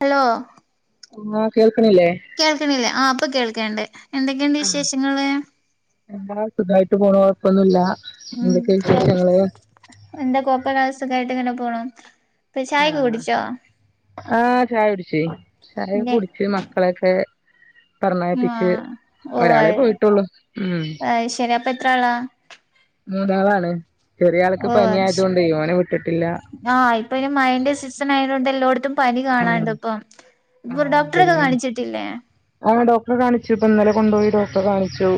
Hello ആഹ് കേൾക്ണില്ലേ കേൾക്ക്ണില്ലേ ആ ഇപ്പൊ കേൾക്ണ്ട് എന്തൊക്കെയുണ്ട് വിശേഷങ്ങള് എന്താ സുഖായിട്ട് പോണു കൊഴപ്പൊന്നുല്ല ഉം എന്തൊക്കെ വിശേഷങ്ങള് എന്താ കോയ്പ്പല്ല സുഖായിട്ട് ഇങ്ങനെ പോണു ഇപ്പൊ ചായക്കെ ആഹ് കുടിച്ചോ ആ ചായ കുടിച്ച് ചായ ഇല്ലേ കുടിച്ച് മക്കളൊക്കെ ആ പറഞയപ്പിച്ച് ഒരാളേ പോയിട്ടുള്ളു ഉം അയിശെരി അപ്പൊ എത്ര ആളാ മൂന്നാളാണ് ചെറിയാൾക്ക് പനി ആയതോണ്ടേ ഓന വിട്ടട്ടില്ല ആഹ് ഇപ്പൊ ഇനി മഴേന്റെ സിസണായതോണ്ട് എല്ലോടത്തും പനി ഉം കാണാണ്ട് ഇപ്പം അപ്പൊ ഡോക്ടറെക്കെ കാണിച്ചിട്ടില്ലേ ആഹ് ഡോക് ട്ടറെ കാണിച്ചു ഇപ്പ ഇന്നലെ കൊണ്ടോയി ഡോക്ടറെ കാണിച്ചു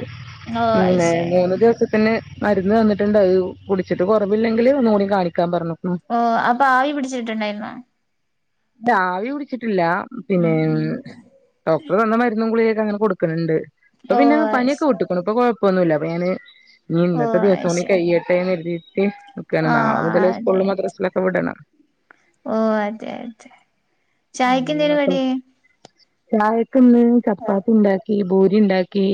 ഓ അത് പിന്നെ ശരി മൂന്ന് ദിവസത്തിന് മരുന്ന് തന്നിട്ടുണ്ടായി കുടിച്ചിട്ട് കൊറവില്ലെങ്കില് ഒന്നു കൂടി കാണിക്കാൻ പറഞ്ഞു ഉം ഓഹ് അപ്പൊ ആവി പിടിച്ചിട്ട്ണ്ടായിരുന്നോ ആവി പിടിച്ചിട്ടില്ല പിന്നെ ഉം ഉം ഡോക്ടർ തന്ന മരുന്നും ഗുളികക്കെങ്ങനെ കൊടുക്കൺണ്ട് ഇപ്പ ഓ പിന്ന അത് പനിയൊക്ക ശരി വിട്ട് ഇപ്പള് ഇപ്പൊ കൊഴപ്പൊന്നുല്ലാ അപ്പൊ ഞാന് ഇനി ഓ ഇന്നത്തെ അത് ദിവസം കൂടി ശരി കയ്യട്ടേന്ന് കര്തീട്ട് ക്കാണ് ആ നാളെ മുതല് സ്കൂൾലും മദ്രസിലൊക്കെ വിടണം ഓഹ് അതെ അതെ ചായക്ക് ഇമ്മി എന്തേനു കടി മക്കളും ചായക് ഇന്ന് ചപ്പാത്തി ഇണ്ടാക്കി ഈ ഭൂരി ഉണ്ടാക്കി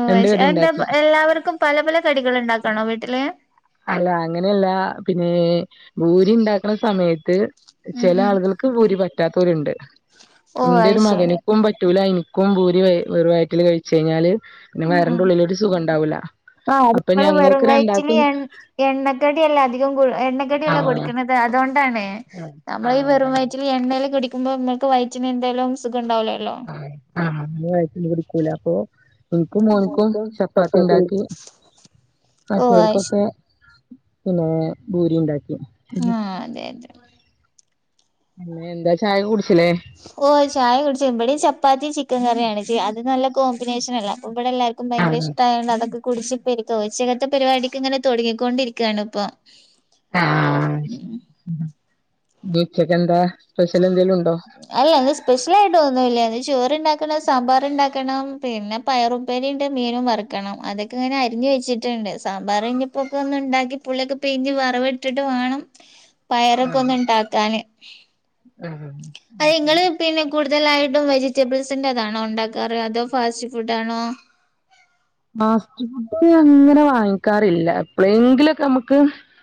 ഓഹ് രണ്ട് അയ്ശെ കടി എന്താ ഉണ്ടാക്കി എല്ലാവർക്കും പല പല കടികൾ ഇണ്ടാക്കാണോ വീട്ടില് അല്ല അങ്ങനെയല്ല പിന്നെ ഭൂരി ഇണ്ടാക്കണ സമയത്ത് ഉം ചെല ഉം ആളുകൾ ക്ക് ബൂരി പറ്റാത്തോല്ണ്ട് ഓ ഇന്റെ അത് ഒരു ശരി മക്നക്കും പറ്റൂല എനിക്ക് ക്കും ഭൂരി വെറും വയറ്റില് കഴിച്ച് കഴിഞ്ഞാല് പിന്നെ വയറിന്റെ ഉള്ളിലൊരു സുഖണ്ടാവൂല്ല ആ അത് നമ്മള് വെറും വയറ്റില് എൺ എണ്ണക്കടി അല്ലെ അധികം എണ്ണക്കടില്ലെ ആഹ് കൊടുക്കണത് ത് അതോണ്ടാണ് നമ്മളീ ആഹ് വെറും അതാണ് വയറ്റിൽ എണ്ണയിൽ കടിക്കുമ്പോ നമക്ക് വയറ്റിന് എന്തേലും സുഖുണ്ടാവൂല്ലല്ലോ ആഹ് അന്ന് വയറ്റില് പിടിക്കൂല അപ്പൊ എനിക്കും മോനുക്കും ചപ്പാത്തി ഇണ്ടാക്കി ഓ അത് മറ്റോൽക്കൊക്കെ ശരി പിന്നെ ഭൂരി ഇണ്ടാക്കി ആഹ് അതെ അതെ പിന്നെ എന്താ ചായെക്ക കുടിച്ചിലെ ഓഹ് ചായ കുടിച്ച് ഇബാടേം ചപ്പാത്തി ചിക്കൻ കറിയാണ് അത് നല്ല കോമ്പിനേഷൻ അല്ലെ അപ്പ ഇബടെ എല്ലാർ ക്കും ഭയങ്കര ആഹ് ഇഷ്ടായോണ്ട് അതൊക്കെ കുടിച്ച് ഇപ്പിരിക്ക ഉച്ചക്കത്തെ പരിപാടിക്ക് ഇങ്ങനെ തൊടങ്ങിക്കോണ്ടിരിക്കാണ് ഇപ്പോ ആഹ് അപ്പ ഉച്ചക്കെന്താ സ്പെഷ്യലെന്തേലുണ്ടോ അല്ല അത് സ്പെഷ്യലായിട്ട് ഒന്നൂല്ലാ അത് ചോറ്ണ്ടാക്കണം സാമ്പാറ്ണ്ടാക്കണം പിന്നെ പയറുപ്പേരിന്റെ മീനും വറ്ക്കണം അതൊക്കങ്ങനെ അരിഞ്ഞ് വെച്ചിട്ടിണ്ട് സാമ്പാർ ഇനീപ്പോക്കോന്നുണ്ടാക്കി പുളി ഒക്ക പ്പിന്ന് വെറവ് ഇട്ടിട്ട് വേണം പയറൊക്കെ ആഹ് ഒന്ന് ഇണ്ടാക്കാന് ആഹ് അതിങ്ങള് പിന്നെ കൂടുതലായിട്ടും വെജിറ്റബിൾസിന്റെതാണോ ഇണ്ടാക്കാറ് അതോ ഫാസ്റ്റ് ഫുഡ് ആണോ ഫാസ്റ്റ് ഫുഡ് അങ്ങനെ വാങ്ങിക്കാറില്ല എപ്പളെങ്കിലൊക്കെ നമക്ക്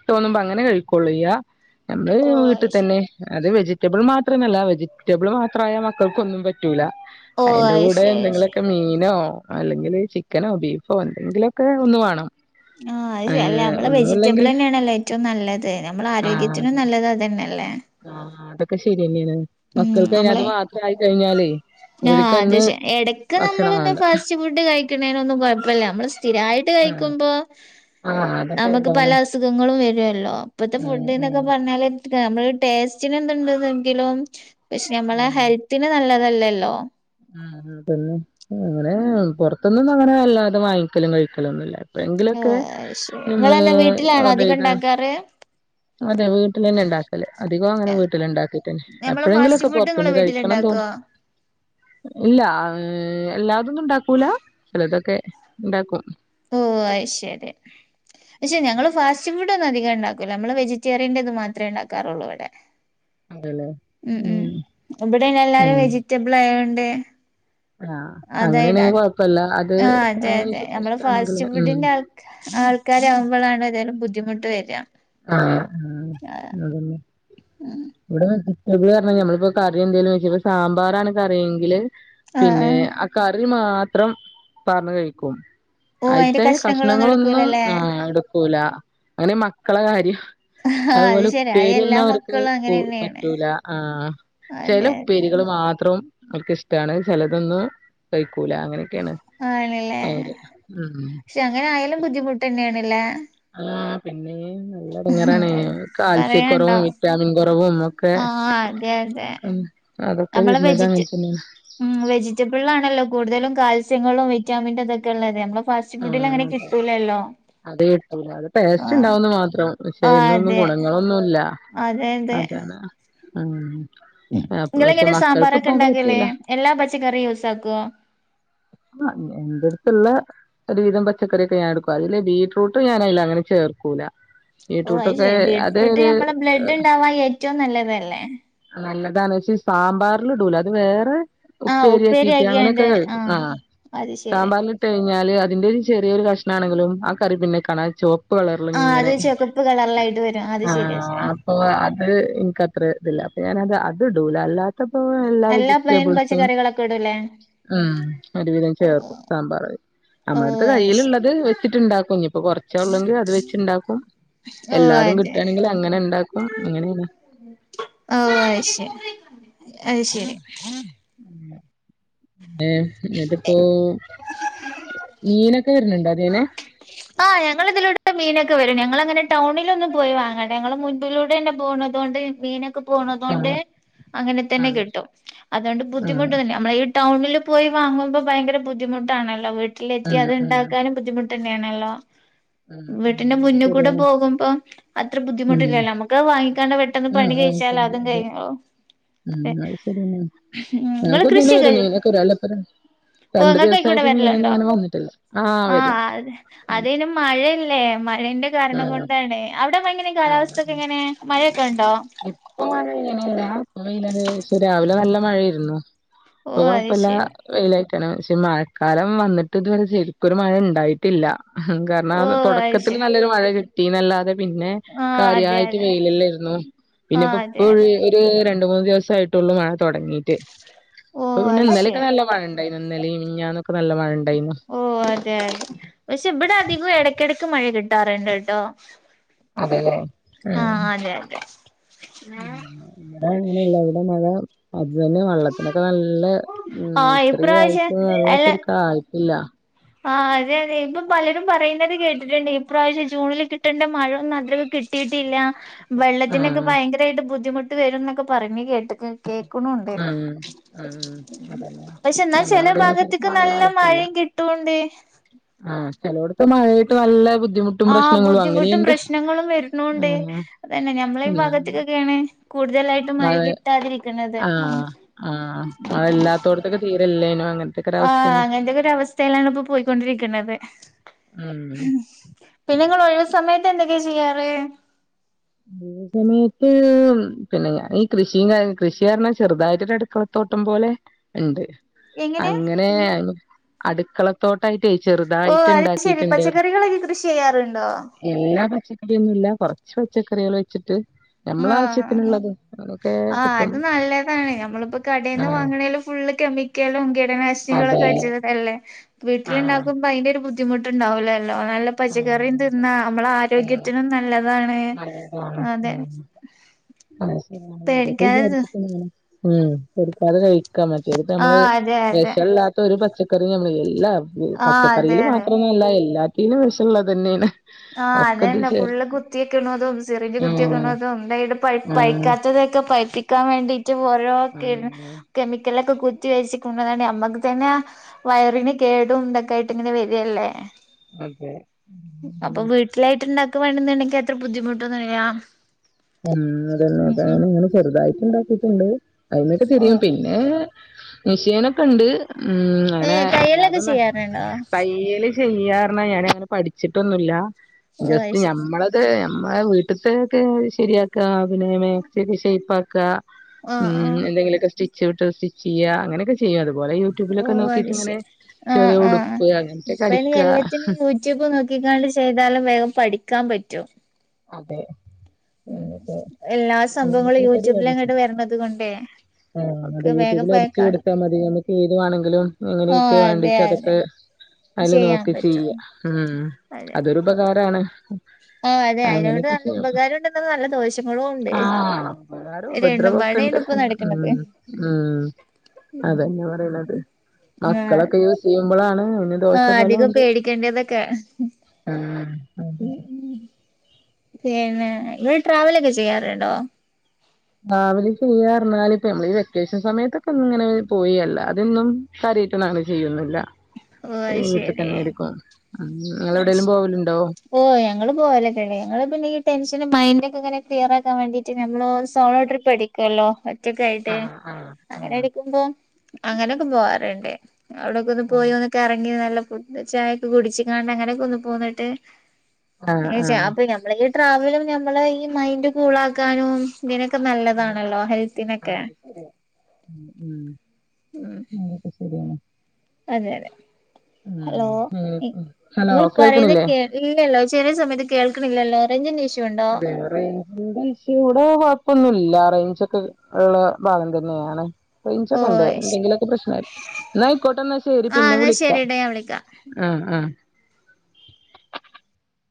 തോന്നുംമ്പോ അങ്ങനെ കഴിക്കോള്ള് ഇയ്യ നമ്മള് ഓ ശരി വീട്ടിതന്നെ അത് വെജിറ്റബിൾ മാത്രമല്ല വെജിറ്റബിൾ മാത്രായാ മക്കൾക്കൊന്നും പറ്റൂല ഓ അയിന്റെ അത് കൂടെ ശരി അത് ശരി എന്തെങ്കിലൊക്ക മീനോ അല്ലെങ്കില് ചിക് ക്കനോ ബീഫോ എന്തെങ്കിലൊക്കെ ഒന്ന് വേണം ആഹ് അത് അല്ലാ ഏഹ് നമ്മള് വെജിറ്റബിൾ ഒന്നുല്ലെങ്കിൽ തന്നാണല്ലോ ഏറ്റവും നല്ലത് നമ്മള ആഹ് ആരോഗ്യത്തിനും അതെ നല്ലത് അത് തന്നല്ലേ ആഹ് അതൊക്കെ ശെരിയന്നെയാണ് ഉം മക്കൾക്കയ്ന് അത് നമ്മളെ മാത്രായി കഴിഞ്ഞാല് ആഹ് അത് ശെ എടെക്ക് നമ്മളൊന്ന് വേണ്ട ഫാസ്റ്റ് ഫുഡ് കയി ക്കണേനൊന്നും കൊഴപ്പില്ല നമ്മള് സ്ഥിരായിട്ട് ആഹ് കഴിക്കുംമ്പോ ആഹ് അതൊക്കെ നമക്ക് പല ഇടാണ് അസുഖങ്ങളും വെരുവല്ലോ ഇപ്പത്തെ ഉം ഉം ഫുഡ്ന്നൊക്കെ പറഞ്ഞാല് ക്ക് നമ്മള ടേസ്റ്റിന് എന്തുണ്ട്തെങ്കിലും പക്ഷെ നമ്മളെ ഹെൽത്തിന് നല്ലതല്ലല്ലോ ആഹ് ആഹ് പിന്നേ അങ്ങനെ പൊ ർ ത്തൊന്നന്നും അങ്ങനെ വല്ലാതെ വാങ്ങിക്കലും കഴിക്കലും ഒന്നുംല്ല. പ്പഎങ്കിലൊക്കെ ഓഹ് അത് ശരി ങ്ങള് നിങ്ങളെന്താ വീട്ടിലാണോ ഓഡ് റ അധികം യ്ത് ഉണ്ടാക്കാറ് അതെ വീട്ടിലന്നെ ണ്ടാക്കല് അധികൊ ങ്ങനെ വീട്ടില ണ്ടാക്കിട്ടൻ ശ് നമ്മള് ഫാസ്റ്റ് എപ്പോഴെങ്കിലൊക്കെ ഫുഡ് പൊർത് നിങ്ങള് ന്ന് കഴിക്കണം തോന്നി വീട്ടിലുണ്ടാക്കോ ഇല്ല അഹ് എല്ലാതൊന്നും ണ്ടാക്കൂല ചിലതൊക്കെണ്ടാക്കും. ഓ അഹ് ശരി. പക്ഷേ ഞങ്ങള് ഫാസ്റ്റ് ഫുഡ് ഒന്നും അതികം ണ്ടാക്കൂല്ല അമ്മള് വെജിറ്റേിയൻ്റെത് മാത്രെ ഉണ്ടാക്കാറുള്ളൂ ഇവിടെ. അതെല്ലേ ഉം ഉം വിടെ എല്ല ല്ലാരും ഉം വെജിറ്റബിൾ ആയോണ്ട് ആഹ് അതെയ്ട്ട അങ്ങനെയാണെങ്കി കൊഴപ്പല്ല അത് ആ അതെ അങ്ങനെ അതെ നമ്മള് ഇഷ്ടാണെങ്കില് ഉം ഫാസ്റ്റിഫുഡിന്റെ ആൾ ആൾക്കാരാമ്പോ ളാണ് തെലും ബുദ്ധിമുട്ട് വരാ ആഹ് ആഹ്. ആഹ് ഉം. ഇവിട വേജിറ്റമ്പിൾ റഞ്ഞാ നമ്മൾ പ്പോ കറി എന്തേലും വെച്ച്പ്പ സാമ്പാറാണ് കറിയെങ്കില് ആഹ് പിന്നെ ആഹ് ആ കറി മാത്രം പാർന്നു കഴിക്കും. ഓ അതിന്റെ അയിത്തെ കഷ്ണങ്ങളൊന്നും എടുക്കൂലല്ലേ ആഹ് എടുക്കൂല അങ്ങനെ മക്കളെ കാര്യം- ആഹ് അത് അതുപോലെ ശരി അത് ഉപ്പേരിന്നും എല്ലാ അവർക്ക് മക്കളും അങ്ങനെ ക്കു തന്നെയാണ് പറ്റൂല ആഹ് ചെല അതെ അതെ ഉപ്പെരികള് മാത്രം വർക്ക് ഇഷ്ടാണ് ചെലതൊന്നും കഴിക്കൂല അങ്ങനെ ക്കെണു അവര് ഹ് ഹ് ഉം. ക്ഷെ അങ്ങനെ ആയാലും ബുദ്ധിമുട്ട ന്നെണാല്ലേ? ആഹ് പിന്നെ നല്ല ഇടങ്ങേറാണ് കാൽസ്യക്കൊറവും പറയാണ്ടോ വിറ്റാമിൻ കൊ റവും ഓ ആഹ് അതെ അതെ. [inaudible] നമ്മളെ വരുന്നത് വെജിറ്റ് അങ്ങനെ തന്നെയാണ് ഉം വെജിറ്റബിൾ ആണല്ലോ കൂടുതലും കാൽസ്യങ്ങളും വിറ്റാമിന്റ തൊക്കെള്ളത് നമ്മള് ഫാസ്റ്റ് ഫുഡിൽ ആഹ് അങ്ങനെ അതെ കിട്ടൂലല്ലോ അത് കിട്ടൂല അത് ടേസ്റ്റ് ആഹ് ഉണ്ടാവുന്ന് മാത്രം പക്ഷെ ആഹ് ഐന്നൊന്നും അതെ ഗുണങ്ങളൊന്നുല്ല. അതെ അതെ ആഹ്. ങ്ങളെ ങ്ങെനെ സാമ്പാറൊക്കെ ണ്ടാക്കല് പറ്റൂല എല്ലാ പച്ചക്കറി യൂസാക്കൊ? ആഹ് എന്റെട്ത്തുള്ളെ ഒരുവിധം പച്ചക്കറിക്കെ ഞാൻ എടുക്കും അതില് ബീട്രൂട്ട് ഞാന യ് ല് അങ്ങനെ ചേർക്കൂല. ഓ അഹ് ബീറ്റ്റൂട്ടൊക്കെ ശരി അത് ബീട്ട്ട്രുട്ട് ഒരു നമ്മള ബ്ലഡ് ണ്ടാവാൻ ഏറ്റവും നല്ലതല്ലേ. നല്ലതാണ്ക്ഷേ സാമ്പാർല് ഇടൂല അത് വേറെ ആഹ് ഉപ്പേരിയാക്കീറ്റ് അങ്ങനെക്കെ ഉപ്പേരിയാക്കിയാണ്ട് കഴിക്കും ആഹ് അത് ശരി സാമ്പാർൽ ട്ടെയ്ഞ്ഞാല് അതിന്റെ ഒരു ചെറിയൊരു കഷ്ണാണെങ്കിലും ആ കറി പിന്നെ കാണ ചോപ്പ് പ്പോളർലി ആഹ് അത് ങ്ങനെ ചുവപ്പ് കളറിലായിട്ട് വരും അത് ശരി അത് ശരി ആഹ്. പ്പൊ അത് ഇൻക്കത്ര തില്ല അപ്പൊ ഞാനത് അത് ഇടൂല അല്ലാ തപ്പോ എല്ലാ പ്ലെയിൻ വെജിറ്റബിൾസും പച്ചക്കറികളൊക്കെ ഇടൂലേ ഉം ഒരുവിധം ചേർക്കും സാമ്പാറ്. അമ്മേട്ത് ഓഹ് അത് കയ്യില്ള്ളത് ശരി വെച്ച് ട്ട് ണ്ടാക്കും ഞ്ഞ് പ്പൊ കൊർ ച്ചോ ഉള്ളെങ്കി അത് വെച്ച് ണ്ടാക്കും ഓ എല്ലാതും അതെ കിട്ടാണെങ്കിൽ അങ്ങനെ ണ്ടാക്കും അങ്ങനെ ങ്ങനെ. ഓഹ്അഹ് ശരി അഹ് ശരി. എഹ് ന്ന്ട്ട്പ്പോ മീ നൊ കേര്ഞ്ഞു ണ്ടോ തീനെ ആഹ് ഞങ്ങളെ തിലൂടെമീനൊക്കെവ രും ഞങ്ങളങ്ങന ടൗണിലൊന്നും പോയി വാങ്ങ ഞങ്ങളെ മുൻപിലൂടെഎന്നെ പോണ് തൊണ്ട് മീനക്ക് ക്ക് പോണ തോണ്ട് ആഹ് അങ്ങനെ തന്നെ ആഹ് കിട്ടും അതോണ്ട് ആഹ് ബുദ്ധിമുട്ടൊന്നുല്ല്യ നമ്മള യ് ടൗണില് പോയി വാങ്ങുമ്പോ ഭയങ്കര ബുദ്ധിമുട്ടാണല്ലോ വീട്ടിലെത്തി ആഹ് അത് ആഹ് ണ്ടാക്കാനും ബുദ്ധിമുട്ട ന്നെണ് ട്ടാ ആഹ് വീട്ടിന്റെ അത് മുന്നു കൂടെ ശരിയാണ് പോകുബോം അത്ര ഉം ബുദ്ധിമുട്ടില്ലല്ലോ നമ്മ ക്ക് ക്ക വാങ്ങിക്കാണ്ട് പെട്ടെന്ന് ആഹ് പണി കഴിച്ചാൽ വാങ്ങിക്കണ്ട് അതും അതെ കഴിഞ്ഞോളും. അതെ ഉം അഹ് ശരിനെ ഉം ഇങ്ങള് ആഹ് കൃഷിയൊക്കെ [unintelligible] മീനക്കെ രാവിലെ [unintelligible] ഓ രണ്ട് ഇങ്ങക്ക് അയ്ക്കൂടെ ദിവസായിറ്റ് വരലുണ്ടോ മീനൊന്നങ്ങനെ വന്നിട്ടില്ല ആഹ് വരും. അതെ അതെന്നെ മഴേല്ലേ മഴേന്റെ കാരണം ആഹ് കൊണ്ടാണ് അവ്ടെ മഴ പെയ്ന്ന്ണ്ട് കാലാവസ്ഥൊക്കെങ്ങനെ മഴയൊക്കെ ഒണ്ടോ ഇപ്പ മഴ പെയ്യ്ണില്ല വെയില ക്ഷെ രാവിലെ നല്ല മഴേരുന്നു [unintelligible] ഓ പ്പൊ അത് കൊഴപ്പല്ല ശരി വെയിലായിട്ടാണ് പക്ഷെ മഴക്കാലം വന്ന്ട്ട് ഇതുവരെ ശരിക്കൊര് മഴ ണ്ടായിട്ടില്ല ഓ [unintelligible] അത് തൊടക്കത്തിൽ ശരി നല്ലൊരു മഴ കിട്ടിന്നല്ലാതെ പിന്നെ ആഹ് അതെ കാര്യായിട്ട് അതെ വെയിലെല്ലേര്ന്നോ ആഹ് അതെ പിന്നെപ്പൊപ്പൊഴ് അതെ ഒര് രണ്ട്മൂന്ന് ദിവസായിട്ടുള്ളൂ മഴ തുടങ്ങീ ഓ പ്പൊ പിന്നെ അത് ഇന്നലെക്കെ ശരി നല്ല മഴ ണ്ടയ്നു ഇന്നലീം മിഞ്ഞന്നൊക്കെ നല്ല മഴണ്ടയ്നു ഓഹ് അതെ അതെ പക്ഷെ ബടെ അധികോം എടക്കെടക്ക് മഴ കിട്ടാറ്ണ്ട് ട്ടോ അതെല്ലേ ആഹ് അതെ അതെ വടെ അങ്ങനെല്ല വടെ മഴ അത് തന്നെ വള്ളത്തിനൊക്കെ നല്ല മ് ആഹ് ഇത്രേം ഇപ്രാവശ്യം ആയിറ്റും വള്ളം അല്ല ശരിക്കായിട്ടില്ല ആഹ് അതെ അതെ ഇപ്പം പലരും പറയുന്നത് കേട്ടിട്ട്ണ്ട് ഈപ്രാവശ്യം ജൂണിൽ കിട്ടണ്ട മഴ ഒന്നും അത്രക്ക് കിട്ട് ട്ടിട്ടില്ല [unintelligible] വെള്ളത്തിനൊക്കെ ആഹ് ഭയങ്കരായിട്ട് ബുദ്ധിമുട്ട് വരുന്നൊക്കെ പറഞ്ഞ് കേട്ട് കേക്ക്ണൂണ്ട് ഉം ഉം അതന്നെ പക്ഷെ ന്നാ നമ്മളെ ചെല അവിടെയൊന്നും ശരിക്കും ഭാഗത്ത്ക്ക് നല്ല വെള്ളായിട്ടില്ല മഴയും കിട്ടൂണ്ട് ആഹ് ചെലോട്ത്ത് മഴേയ്ട്ട് നല്ല ബുദ്ധിമു ആഹ് ബുദ്ധിമുട്ടും പ്രശ്നങ്ങളും വര്ണൂണ്ട് ആഹ് അതെന്നെ ഞമ്മളെ ഈ ഭാഗത്ത്ക്കൊക്കേണ് കൂടുതലായി മഴേ ആഹ് ആഹ് മഴെല്ലാത്തോട്ത്ത്ക്ക് തീരെല്ലേനും അ ആഹ് അങ്ങനെത്തെക്കൊര് അവസ്ഥലാണ് ഇപ്പൊ പോയ്ക്കൊണ്ടിരിക്കണത് മ് പിന്നെ ങ്ങൾ ഒഴിവ് സമയത്ത് എന്തൊക്കെയാ ചെയ്യാറ് [inaudible] സമയത്ത് പിന്നെ ഞാൻ ഈ കൃഷിയും കാര്യ കൃഷി പറഞ്ഞ ചെർതായിട്ടൊരു അടുക്കള തോട്ടം പോലെ ഇണ്ട് എങ്ങനെ അങ്ങനെ അട്ക്കള തോട്ടായിട്ടെ ഓഹ് ചെറ്തായിട്ട് അത് ശരി ണ്ടാക്കിട്ട്ണ്ട് പച്ചക്കറികളൊക്കെ കൃഷി ചെയ്യാറുണ്ടോ എല്ലാ പച്ചക്കറിയൊന്നുല്ല കൊറച്ച് പച്ചക്കറികൾ വെച്ചിട്ട് ആഹ് ഞമ്മളാവശ്യത്തിന്ള്ളത് ആഹ് അത് നല്ലതാണ് ഞമ്മളിപ്പോ കടേന്ന് ആഹ് വാങ്ങ്ണേല് ഫുള്ള് കെമി ക്കലും കീടനാശ്നികളൊക്കെ അതെ അടിച്ച്ട്ടല്ലേ ആഹ് വീട്ടില്ണ്ടാക്കുമ്പോ അയ്ന്റെ ഒരു ബുദ്ധി ബുദ്ധിമുട്ടുണ്ടാവൂലല്ലോ നല്ല പച്ചക്കറിയും ഉം തിന്നാ അമ്മളെ ആരോഗ്യത്തിനും നല്ലതാണ് [inaudible] അതെ പേടിക്കാതെ തിന്നാ വിചാരിച്ചിട്ട് എന്നെ ഇങ്ങനെ മ് കൊടുക്കാതെ കയ് മറ്റേത് പ്പൊ ഞമ്മള് ആഹ് അതെ അതെ വെഷല്ലാ ഒരു പച്ചക്കറി ഞമ്മളേലില്ലാ ആഹ് അതെ പച്ചക്കറീൽ അതെ മാത്രല്ല എല്ലാത്തിനും വെഷള്ളതെന്നേണ് ആഹ് അതെന്നെ ഫുള്ള് കു കുത്തിയക്ക്ണതും സിറിഞ്ച് ആഹ് കുത്തിയെക്ക്ണതും നെയ്ടെ പൈ ആഹ് പൈക്കാത്തതൊക്കെ പൈപ്പിക്കാൻ വേണ്ടി റ്റ് ഓരോ കെമി ആഹ് കെമിക്കലൊക്കെ കുത്തി വെച്ച് കൊണ്ടന്നാണ്ട് ഞമ്മക്ക് തെന്നെ വയറിന് കേടും തൊക്കേയിട്ട് ങ്ങനെ വെര്വല്ലേ അതെ അപ്പൊ പിന്നെ വീട്ടിലായിട്ട് ണ്ടാക്ക വേണന്ന്ണ്ടെങ്കി അത്ര ബുദ്ധിമുട്ടൊന്നുല്ല മ് അതന്നെ ഞാനിങ്ങനെ ചെറ്തായിട്ട് ണ്ടാക്കിയിട്ട്ണ്ട് അയ്ന്നൊക്കെ ഓ ചെറിയെ പിന്നേ മിഷ്യനൊക്കെ ണ്ട് മ് ഏ അങ്ങനെ തയ്യലൊക്കെ ഇല്ലാതൊന്നെ ചെയ്യാറുണ്ടോ തയ്യൽ ചെയ്യാറ്ഞ്ഞ ഞാനങ്ങനെ പഠിച്ചിട്ടൊന്നൂല്ല ഓ അത് ജസ്റ്റ് ശരി ഞമ്മളെ -ത് ഞമ്മളേ വീട്ട്ത്തെക്കെ ശെരിയാക്ക പിന്നെ മേക്സി ഷെയ്പ്പാക്കാ മ് ആഹ് ആഹ് എന്തെങ്കിലൊക്കെ സ്റ്റിച്ച് വിട്ടത് സ്റ്റിച്ചിയ്യ അങ്ങനെക്കെ ചെയ്യും അത്പോലെ ഓ യൂട്യൂബിലൊക്കെ അത് നോക്കിട്ട്ങ്ങനെ ശരി ആഹ് ചെറിയ ആഹ് ഉടുപ്പ് അങ്ങനത്തൊക്കെ ഇപ്പൊ ഇനി അടിക്ക്യ എല്ലാത്തിനും യൂട്യൂബ് നോക്കിക്കാണ്ട് ചെയ്താലും വേഗം പഠിക്കാൻ പറ്റോ അതെ ഉം അങ്ങനൊക്കെ എല്ലാ സംഭവങ്ങളും അങ്ങനൊക്കെള്ള പരിപാടി യൂട്യൂബിലെങ്ങട്ട് വരണത് കൊണ്ടേ ആഹ് ഒക്കെ അതെ വേഗം യൂട്യൂബിൽ പോയ അടിച്ചു കാണും കൊടുത്താൽ മതി നമക്ക് ഏതു വേണെങ്കിലും ആഹ് എങ്ങനെയൊക്കെ അതെ വാണ്ടിണ്ട അതെ അതൊക്കെ അയില് ചെയ്യാൻ നോക്കി പറ്റും ചെയ്യാ ഉം അതെ അതൊരുപകാരാണ് [inaudible] ആഹ് അതെ അയിനോട് നല്ല ഉപകാരം ഉണ്ടെന്ന നല്ല ദോഷങ്ങളും ഉണ്ട് ആഹ് ഉപകാരം രണ്ടും ഉപദ്രവൊക്കെ ഉണ്ട് പാടെണ് ഇപ്പം നടക്ക് ഉം ഉമ് അതന്നെ പറയ്ന്നത് ആഹ് മക്കളൊക്കെ ഈ സ്കൂ യ്യുമ്പോളാണ് ആഹ് അധികം പേടിക്കേണ്ടതൊക്കെ ആഹ് പിന്നെ ഇങ്ങൾ ട്രാവലൊക്കെ ചെയ്യാറുണ്ടോ ട്രാവല് ചെയ്യാറ് ഇപ്പെമ്മൾ ഈ വെക്കേഷൻ സമയത്തൊക്കെ ഒന്നി ങ്ങനെ പോയി അല്ലാതൊന്നും കാര്യയിട്ടൊന്നും അങ്ങനെ ചെയ്യാന്നുല്ല ഓഹ് അത് വീട്ട് ശരി തന്നെയ്രിക്കും നങ്ങളെ അത് ശരി വ്ടെേലും പോവൽണ്ടോ ഓ ഞങ്ങള് പോവലക്കെല്ലേ ഞങ്ങള് പിന്നെ ടെൻഷനും മൈൻഡ്ന്റെക്കെങ്ങെനെ ക്ലിയറാകാൻ വേണ്ടീട്ട് ഞമ്മളോ സോളോ ട്രിപ്പടിക്കും കൊല്ലൊ റ്റക്കായിട്ട് ആഹ് ആഹ് അങ്ങനെ ആഹ് എടക്കുമ്പോ അങ്ങനെയൊക്കെ പോവാർണ്ട് ഞങ്ങ പോയിവന്ന് കറങ്ങി നല്ല ഫുഡ് ചായൊക്കെ കുട്ച്ച് കാണ്ട് അങ്ങനെയൊക്കെ ഒന്ന് പോന്ന്ട്ട് ആഹ് ആഹ് അങ്ങയ്ച്ച അപ്പൊ ആഹ് നമ്മളെ ഈ ട്രാവലും ഞമ്മളെ ഈ മൈൻഡും കൂളക്കാനും തിനൊക്കെ ആഹ് നല്ലതാണല്ലോ ആഹ് ഹെൽത്തിനെക്കെ അത് ശരിയാ ഉം അതക്കെ ശെരിയാണ് അതെ അതെ ഹലോ ഇ ഹലോ ഇങ്ങൾ പറയുന്നേ കേൾക്കണില്ലേ കേ ഇല്ലല്ലോ ചെലെ സമയത്ത് കേക്ക് ൺല്ലല്ലോ റൈഞ്ചിന്റെ ഇഷ് അതെയോ റൈഞ്ചിന്റെ ഇഷ്യുവ്ടെ കൊഴപ്പൊന്നുമല്ല റൈഞ്ചൊക്കെള്ള ഭാഗം തന്നെയാണ് റൈഞ്ചൊക്കെ ഓ ഇണ്ട് ശരി എന്തെങ്കിലൊക്കെ പ്രശ്നആയ്രി ന്നാ ആയിക്കോട്ടെന്നാ ശെരി ആ പിന്നെ എന്നാ വിളിക്കാം ശരിടാ ഞാൻ വിളിക്കാം ആഹ് ആഹ്